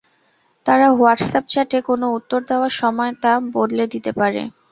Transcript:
তারা হোয়াটসঅ্যাপ চ্যাটে কোনো উত্তর দেওয়ার সময় তা বদলে দিতে পারে।